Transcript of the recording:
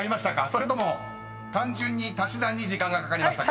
それとも単純に足し算に時間がかかりましたか？］